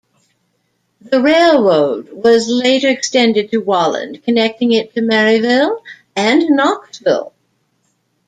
The railroad was later extended to Walland, connecting it to Maryville and Knoxville.